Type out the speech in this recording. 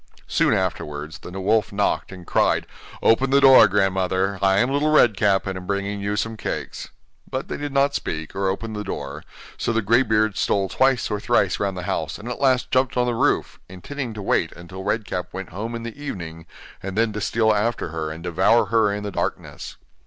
Soon afterwards the wolf knocked, and cried: 'Open the door, grandmother, I am Little Red Cap, and am bringing you some cakes.' But they did not speak, or open the door, so the grey beard stole twice or thrice round the house, and at last jumped on the roof, intending to wait until Red Cap went home in the evening, and then to steal after her and devour her in the darkness.